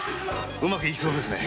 うまくいきそうですね。